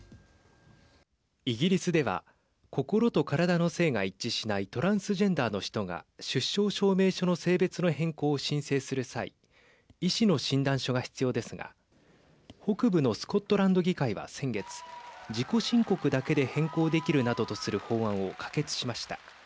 イギリスでは心と体の性が一致しないトランスジェンダーの人が出生証明書の性別の変更を申請する際医師の診断書が必要ですが北部のスコットランド議会は先月自己申告だけで変更できるなどとする法案を可決しました。